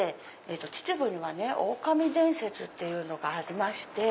秩父には狼伝説っていうのがありまして。